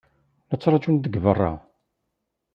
La ttṛajun deg beṛṛa.